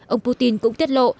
ông putin cũng tiết lộ